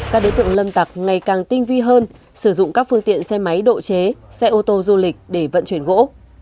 các đối tượng lâm tặc ngày càng tinh vi hơn sử dụng các phương tiện xe máy độ chế xe ô tô du lịch để vận chuyển gỗ